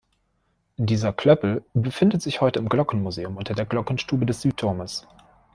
Dieser Klöppel befindet sich heute im Glockenmuseum unter der Glockenstube des Südturmes.